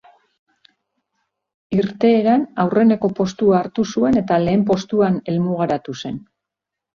Irteeran aurreneko postua hartu zuen eta lehen postuan helmugaratu zen.